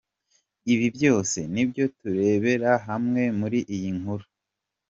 Ibi byose, nibyo turebera hamwe muri iyi nkuru.